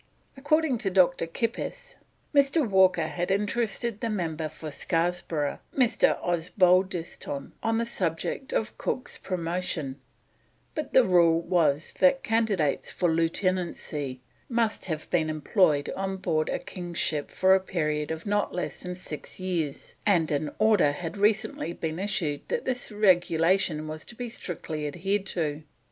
According to Dr. Kippis, Mr. Walker had interested the Member for Scarborough, Mr. Osbaldiston, on the subject of Cook's promotion, but the rule was that candidates for Lieutenancy must have been employed on board a king's ship for a period of not less than six years, and an order had recently been issued that this regulation was to be strictly adhered to.